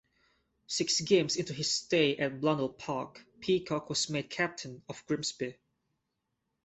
Six games into his stay at Blundell Park, Peacock was made captain of Grimsby.